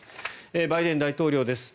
バイデン大統領です。